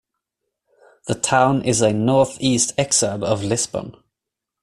The town is a north-east exurb of Lisbon.